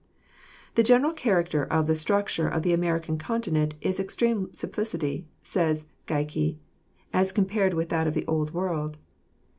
"The general character of the structure of the American continent is extreme simplicity," says Geikie, "as compared with that of the Old World.